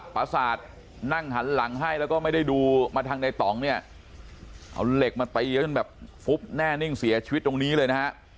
ประสาทนั่งหันหลังให้แล้วก็ไม่ได้ดูมาทางในต่องเนี่ยเอาเหล็กมาตีเขาจนแบบฟุบแน่นิ่งเสียชีวิตตรงนี้เลยนะฮะ